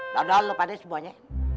daudol lu pade sebuahnya